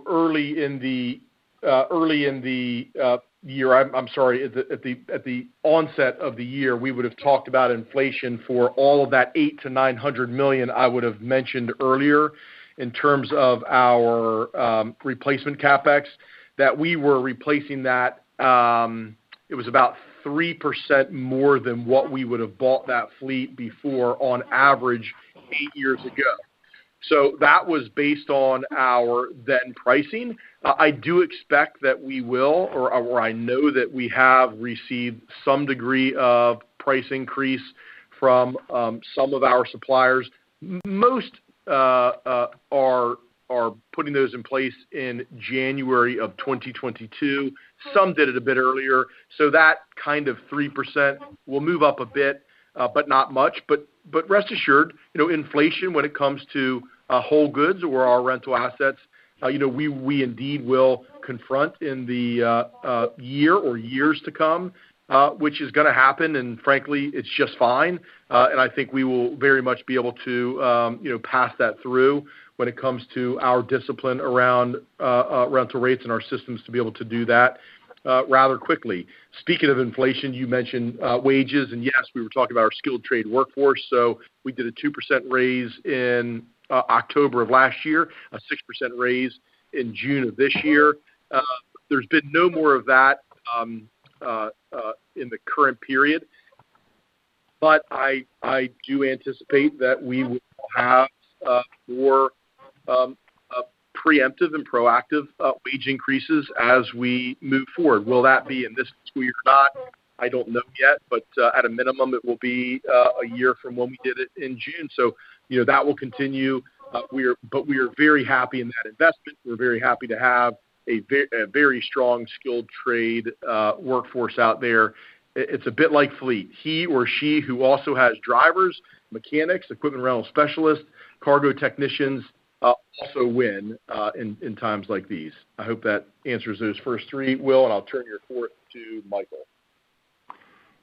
early in the year I'm sorry, at the onset of the year, we would've talked about inflation for all of that $800 million-$900 million I would've mentioned earlier in terms of our replacement CapEx. That we were replacing that, it was about 3% more than what we would've bought that fleet before, on average, eight years ago. That was based on our then pricing. I do expect that we will or I know that we have received some degree of price increase from some of our suppliers. Most are putting those in place in January of 2022. Some did it a bit earlier, that kind of 3% will move up a bit, but not much. Rest assured, inflation when it comes to whole goods or our rental assets, we indeed will confront in the year or years to come, which is going to happen, and frankly, it's just fine. I think we will very much be able to pass that through when it comes to our discipline around rental rates and our systems to be able to do that rather quickly. Speaking of inflation, you mentioned wages, and yes, we were talking about our skilled trade workforce. We did a 2% raise in October of last year, a 6% raise in June of this year. There's been no more of that in the current period, but I do anticipate that we will have more preemptive and proactive wage increases as we move forward. Will that be in this fiscal year or not? I don't know yet, but at a minimum, it will be a year from when we did it in June, so that will continue. We are very happy in that investment. We're very happy to have a very strong, skilled trade workforce out there. It's a bit like fleet. He or she who also has drivers, mechanics, equipment rental specialists, cargo technicians, also win in times like these. I hope that answers those first three, Will, and I'll turn your fourth to Michael.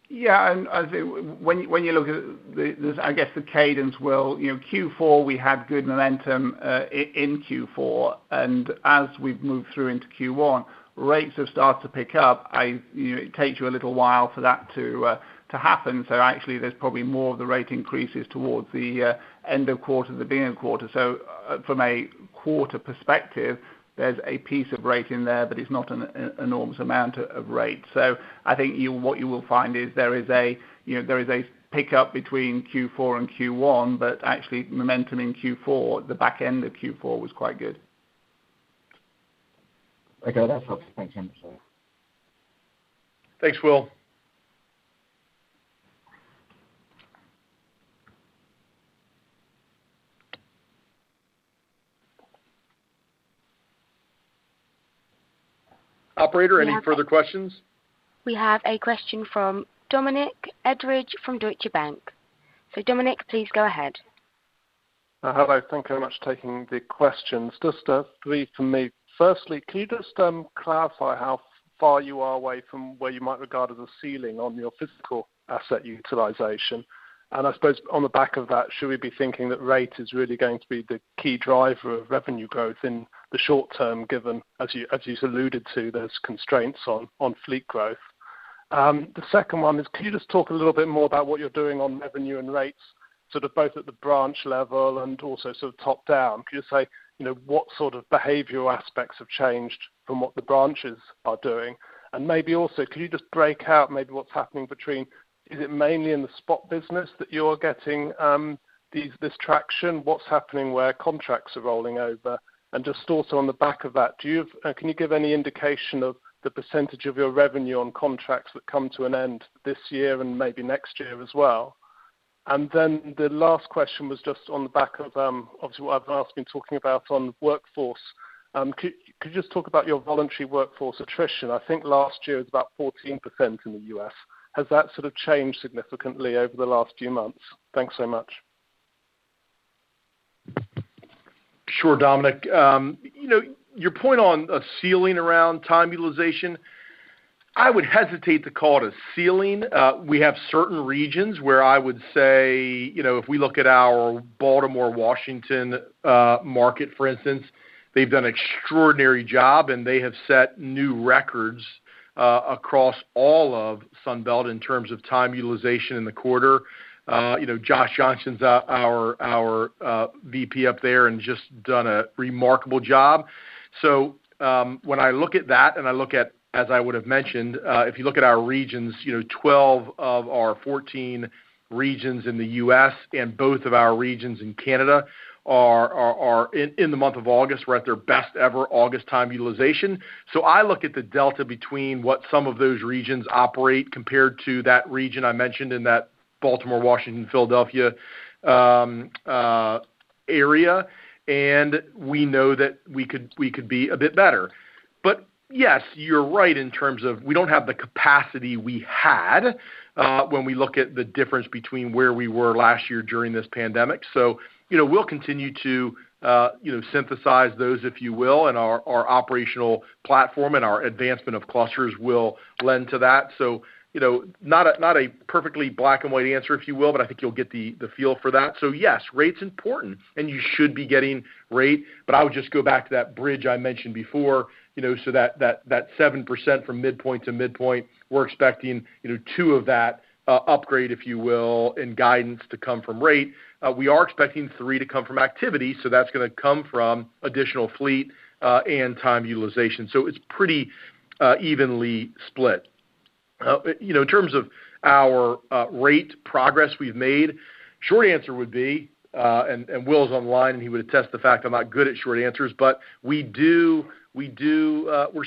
Yeah. When you look at, I guess the cadence, Will, Q4, we had good momentum in Q4, and as we've moved through into Q1, rates have started to pick up. It takes you a little while for that to happen. Actually, there's probably more of the rate increases towards the end of quarter, the beginning of quarter. From a quarter perspective, there's a piece of rate in there, but it's not an enormous amount of rate. I think what you will find is there is a pick-up between Q4 and Q1, but actually momentum in Q4, the back end of Q4 was quite good. Okay. That's helpful. Thanks, gentlemen. Thanks, Will, Operator, any further questions? We have a question from Dominic Edridge from Deutsche Bank. Dominic, please go ahead. Hello. Thank you very much for taking the questions. Just three from me. Firstly, can you just clarify how far you are away from where you might regard as a ceiling on your physical asset utilization? I suppose on the back of that, should we be thinking that rate is really going to be the key driver of revenue growth in the short term, given, as you alluded to, there's constraints on fleet growth. The second one is, can you just talk a little bit more about what you're doing on revenue and rates, both at the branch level and also top-down? Can you say, what sort of behavioral aspects have changed from what the branches are doing? Maybe also, can you just break out maybe what's happening between, is it mainly in the spot business that you're getting this traction? What's happening where contracts are rolling over? Just also on the back of that, can you give any indication of the percentage of your revenue on contracts that come to an end this year and maybe next year as well? The last question was just on the back of obviously what I've been talking about on workforce. Could you just talk about your voluntary workforce attrition? I think last year it was about 14% in the U.S. Has that sort of changed significantly over the last few months? Thanks so much. Sure, Dominic. Your point on a ceiling around time utilization, I would hesitate to call it a ceiling. We have certain regions where I would say, if we look at our Baltimore, Washington market, for instance, they've done an extraordinary job, and they have set new records across all of Sunbelt in terms of time utilization in the quarter. Josh Johnson's our VP up there and just done a remarkable job. When I look at that, and I look at, as I would have mentioned, if you look at our regions, 12 of our 14 regions in the U.S. and both of our regions in Canada are, in the month of August, we're at their best ever August time utilization. I look at the delta between what some of those regions operate compared to that region I mentioned in that Baltimore, Washington, Philadelphia area, and we know that we could be a bit better. Yes, you're right in terms of we don't have the capacity we had when we look at the difference between where we were last year during this pandemic. We'll continue to synthesize those, if you will, and our operational platform and our advancement of clusters will lend to that. Not a perfectly black and white answer, if you will, but I think you'll get the feel for that. Yes, rate's important, and you should be getting rate, but I would just go back to that bridge I mentioned before. That 7% from midpoint to midpoint, we're expecting 2% of that upgrade, if you will, in guidance to come from rate. We are expecting 3% to come from activity, that's going to come from additional fleet and time utilization. It's pretty evenly split. In terms of our rate progress we've made, short answer would be, and Will's online and he would attest to the fact I'm not good at short answers, but we're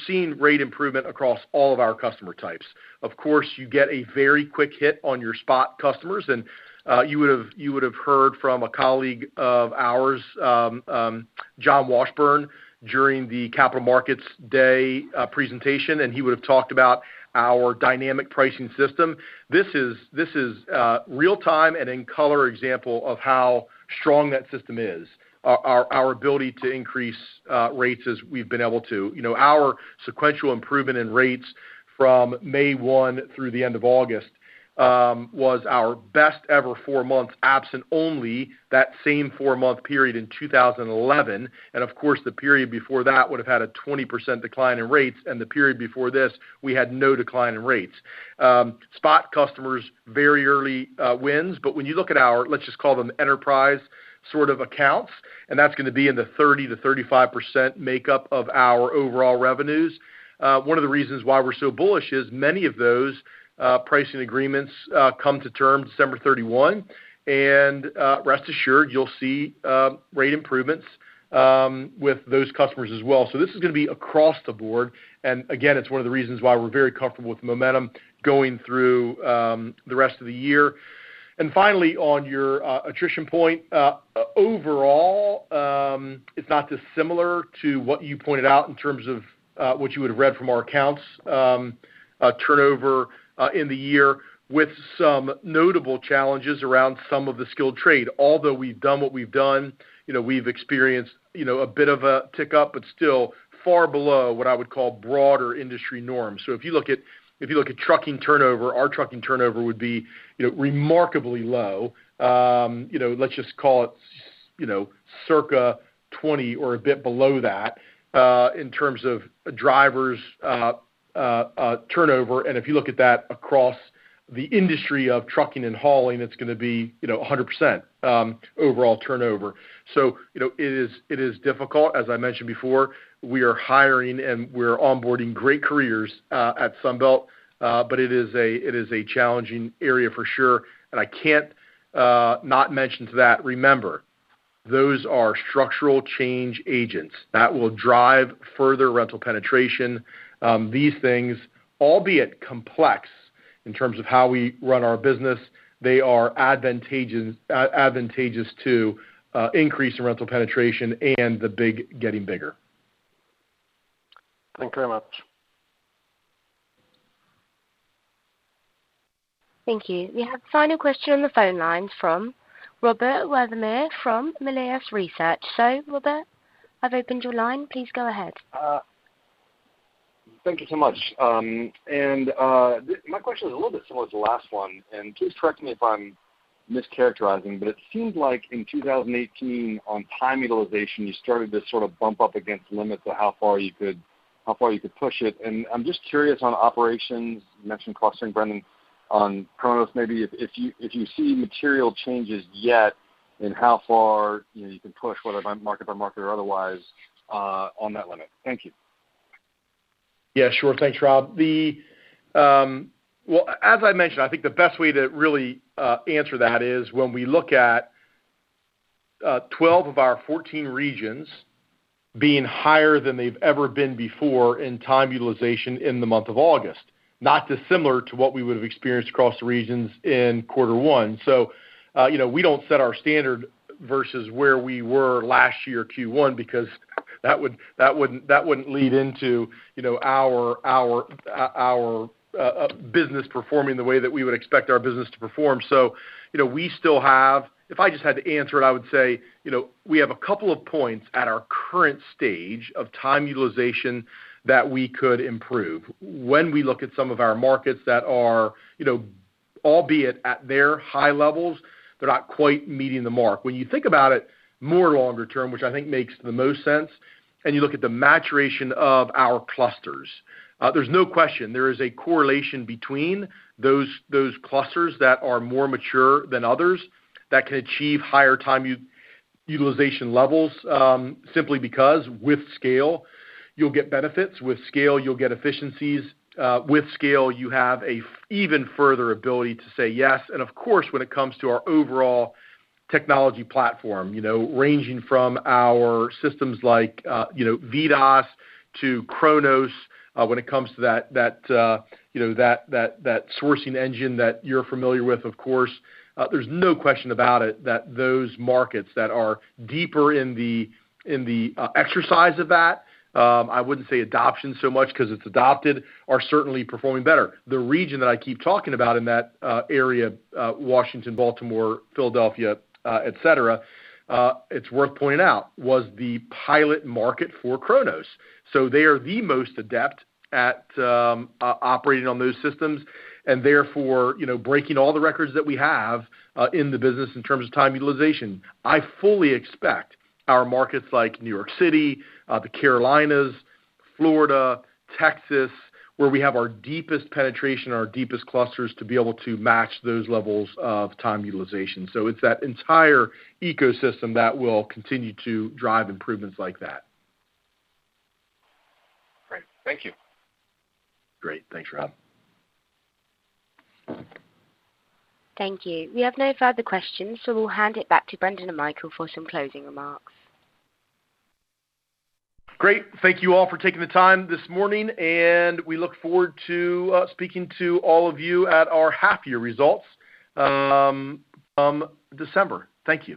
seeing rate improvement across all of our customer types. Of course, you get a very quick hit on your spot customers and you would have heard from a colleague of ours, John Washburn, during the Capital Markets Day presentation, and he would have talked about our dynamic pricing system. This is a real-time and in color example of how strong that system is. Our ability to increase rates as we've been able to. Our sequential improvement in rates from May 1 through the end of August was our best ever four months, absent only that same four-month period in 2011. Of course, the period before that would have had a 20% decline in rates, and the period before this, we had no decline in rates. Spot customers, very early wins. When you look at our, let's just call them enterprise sort of accounts, that's going to be in the 30%-35% makeup of our overall revenues. One of the reasons why we're so bullish is many of those pricing agreements come to term December 31. Rest assured, you'll see rate improvements with those customers as well. This is going to be across the board. Again, it's one of the reasons why we're very comfortable with momentum going through the rest of the year. Finally, on your attrition point. Overall, it's not dissimilar to what you pointed out in terms of what you would have read from our accounts turnover in the year with some notable challenges around some of the skilled trade. Although we've done what we've done, we've experienced a bit of a tick-up, but still far below what I would call broader industry norms. If you look at trucking turnover, our trucking turnover would be remarkably low. Let's just call it circa 20 or a bit below that in terms of drivers turnover. If you look at that across the industry of trucking and hauling, it's going to be 100% overall turnover. It is difficult as I mentioned before, we are hiring and we're onboarding great careers at Sunbelt. It is a challenging area for sure, and I can't not mention to that, remember, those are structural change agents that will drive further rental penetration. These things, albeit complex in terms of how we run our business, they are advantageous to increase in rental penetration and the big getting bigger. Thank you very much. Thank you. We have the final question on the phone line from Rob Wertheimer from Melius Research. Rob, I've opened your line. Please go ahead. Thank you so much. My question is a little bit similar to the last one, and please correct me if I'm mischaracterizing, but it seemed like in 2018 on time utilization, you started to sort of bump up against limits of how far you could push it, and I'm just curious on operations, you mentioned clustering, Brendan, on Kronos maybe, if you see material changes yet in how far you can push, whether by market or otherwise, on that limit? Thank you. Yeah, sure. Thanks, Rob. Well, as I mentioned, I think the best way to really answer that is when we look at 12 of our 14 regions being higher than they've ever been before in time utilization in the month of August, not dissimilar to what we would have experienced across the regions in quarter one. We don't set our standard versus where we were last year Q1 because that wouldn't lead into our business performing the way that we would expect our business to perform. If I just had to answer it, I would say, we have a couple of points at our current stage of time utilization that we could improve. When we look at some of our markets that are, albeit at their high levels, they're not quite meeting the mark. When you think about it more longer term, which I think makes the most sense, you look at the maturation of our clusters. There's no question there is a correlation between those clusters that are more mature than others that can achieve higher time utilization levels, simply because with scale you'll get benefits, with scale you'll get efficiencies, with scale you have an even further ability to say yes. Of course, when it comes to our overall technology platform, ranging from our systems like VDOS to Kronos, when it comes to that sourcing engine that you're familiar with, of course, there's no question about it that those markets that are deeper in the exercise of that, I wouldn't say adoption so much because it's adopted, are certainly performing better. The region that I keep talking about in that area, Washington, Baltimore, Philadelphia, et cetera, it's worth pointing out, was the pilot market for Kronos. They are the most adept at operating on those systems and therefore, breaking all the records that we have in the business in terms of time utilization. I fully expect our markets like New York City, the Carolinas, Florida, Texas, where we have our deepest penetration, our deepest clusters, to be able to match those levels of time utilization. It's that entire ecosystem that will continue to drive improvements like that. Great. Thank you. Great. Thanks, Rob. Thank you. We have no further questions, so we'll hand it back to Brendan and Michael for some closing remarks. Great. Thank you all for taking the time this morning, and we look forward to speaking to all of you at our half-year results come December. Thank you.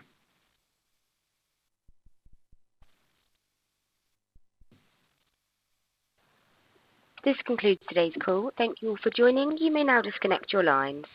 This concludes today's call. Thank you all for joining. You may now disconnect your lines.